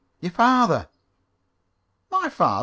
"Your father." "My father?